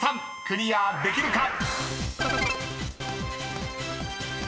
クリアできるか？］